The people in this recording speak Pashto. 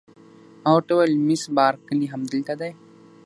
ما ورته وویل: مس بارکلي همدلته ده؟